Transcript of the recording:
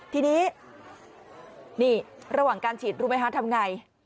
ทีนี้ระหว่างการฉีดรู้ไหมฮะทำอย่างไร